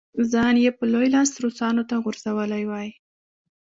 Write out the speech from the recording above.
ځان یې په لوی لاس روسانو ته غورځولی وای.